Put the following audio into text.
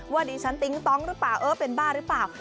ดิฉันติ๊งต้องหรือเปล่าเออเป็นบ้าหรือเปล่า